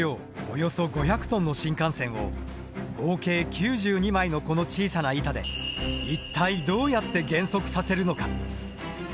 およそ５００ｔの新幹線を合計９２枚のこの小さな板で一体どうやって減速させるのか？